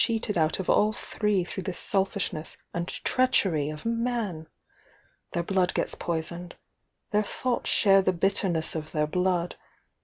f °"S°^ ^" three through the selfishTess S treachery of man! Their blood gets poisoned their thoughts share the bitterness of their K nlZ.